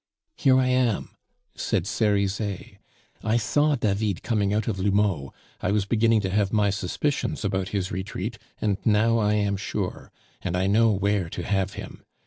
"Here I am," said Cerizet; "I saw David coming out of L'Houmeau. I was beginning to have my suspicions about his retreat, and now I am sure; and I know where to have him.